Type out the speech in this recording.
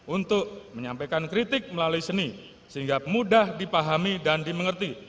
untuk menyampaikan kritik melalui seni sehingga mudah dipahami dan dimengerti